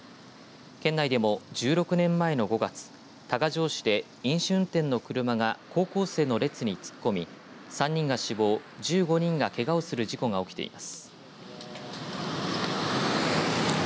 県内でも１６年前の５月多賀城市で飲酒運転の車が高校生の列に突っ込み３人が死亡、１５人がけがをする事故が起きています。